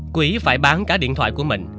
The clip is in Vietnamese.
quý phải bán cả điện thoại của mình